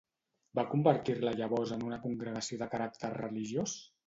Va convertir-la llavors en una congregació de caràcter religiós?